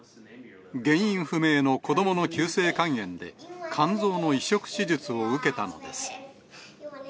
原因不明の子どもの急性肝炎で、肝臓の移植手術を受けたのです。